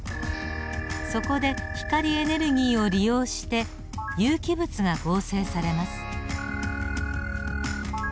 そこで光エネルギーを利用して有機物が合成されます。